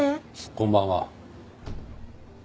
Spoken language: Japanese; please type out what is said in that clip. こんばんは。